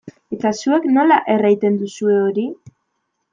Eta zuek nola erraiten duzue hori?